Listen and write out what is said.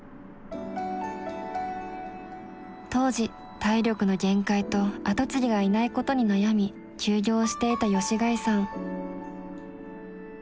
当時体力の限界と後継ぎがいないことに悩み休業していた吉開さん。